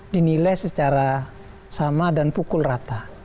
dinilai secara sama dan pukul rata